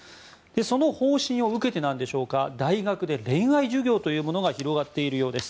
その方針を受けてでしょうか大学で恋愛授業というものが広がっているようです。